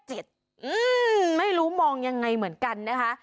ไม่รู้มองยังไงเหมือนกันนะคะ